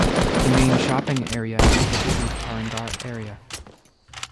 The main shopping area is the busy Taranagar area.